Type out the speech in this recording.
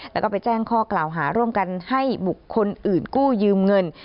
แล้วก็ไปแจ้งข้อกล่าวหาร่วมกันให้บุคคลอื่นกู้ยืมเงิน